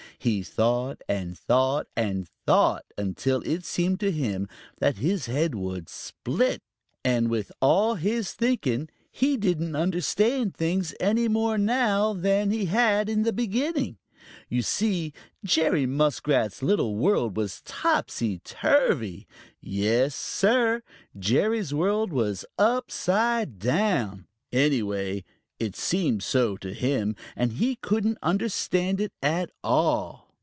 He had thought and thought and thought, until it seemed to him that his head would split; and with all his thinking, he didn't understand things any more now than he had in the beginning. You see, Jerry Muskrat's little world was topsy turvy. Yes, Sir, Jerry's world was upside down! Anyway, it seemed so to him, and he couldn't understand it at all.